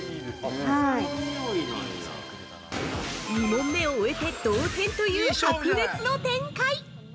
◆２問目を終えて同点という白熱の展開！